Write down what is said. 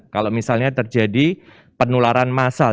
kalau misalnya terjadi penularan masal